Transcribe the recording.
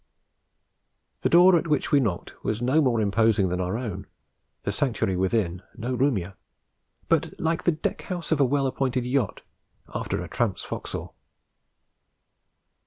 The door at which we knocked was no more imposing than our own, the sanctuary within no roomier, but like the deck house of a well appointed yacht after a tramp's forecastle.